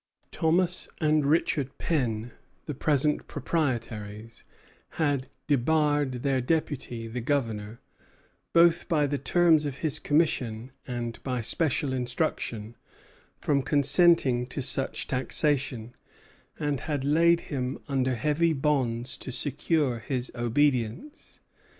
Thomas and Richard Penn, the present proprietaries, had debarred their deputy, the Governor, both by the terms of his commission and by special instruction, from consenting to such taxation, and had laid him under heavy bonds to secure his obedience.